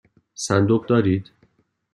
صندوق دارید؟